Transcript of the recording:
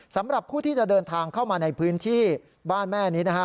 สำหรับผู้ที่จะเดินทางเข้ามาในพื้นที่บ้านแม่นี้นะฮะ